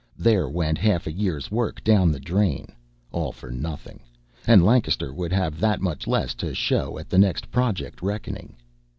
There went half a year's work down the drain, all for nothing, and Lancaster would have that much less to show at the next Project reckoning.